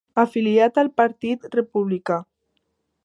Afiliat al Partit Republicà.